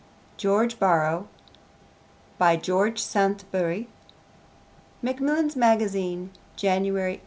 George Borrow. By George Saintsbury. (Macmillan's Magazine, January 1886.)